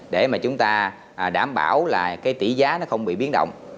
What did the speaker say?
để mà chúng ta đảm bảo là cái tỷ giá nó không bị biến động